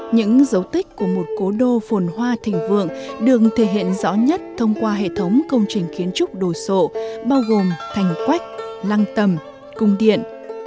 những dấu tích của một cố đô phồn hoa thỉnh vượng được thể hiện rõ nhất thông qua hệ thống công trình kiến trúc đồ sộ bao gồm thành quách lăng tầm cung điện